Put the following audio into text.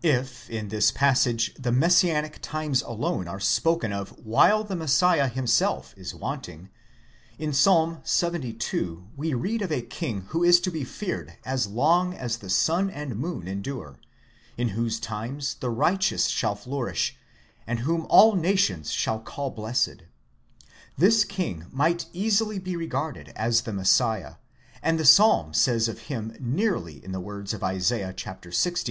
1! If in this passage the messianic times alone are spoken of, while the Messiah himself is wanting, in Psalm Ixxil. we read of a king who is to be feared as long as the sun and moon endure, in whose times the righteous shall flourish, and whom all nations shall call blessed ; this king might easily be regarded as the Messiah, and the Psalm says of him nearly in the words of Isa. Ix.